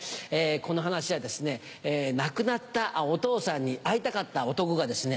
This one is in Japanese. この話はですね亡くなったお父さんに会いたかった男がですね